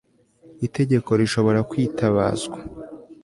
itegeko rishobora kwitabazwa